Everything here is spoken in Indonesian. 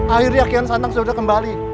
akhirnya kian santang sudah kembali